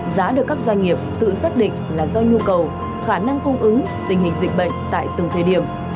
giá được các doanh nghiệp tự xác định là do nhu cầu khả năng cung ứng tình hình dịch bệnh tại từng thời điểm